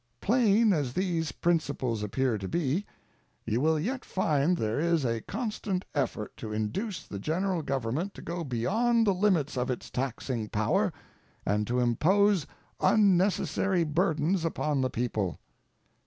Plain as these principles appear to be, you will yet find there is a constant effort to induce the General Government to go beyond the limits of its taxing power and to impose unnecessary burdens upon the people.